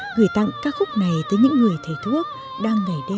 như vườn cây thuốc bên đường làng khuê